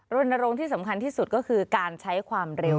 รณรงค์ที่สำคัญที่สุดก็คือการใช้ความเร็ว